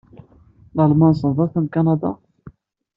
Lalman semmḍet am Kanada?